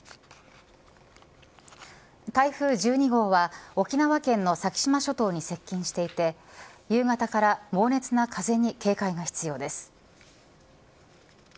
台風１２号は沖縄県の先島諸島に接近していて夕方から猛烈な風に警戒が必要です。